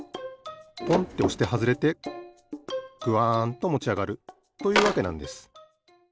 ポンっておしてはずれてグワンともちあがるというわけなんです。